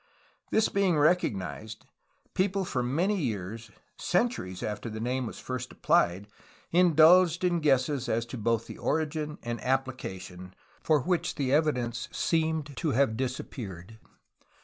This being recognized, people for many years, centuries after the name was first applied, indulged in guesses as to both the origin and application, for which the evidence seemed to have disappeared.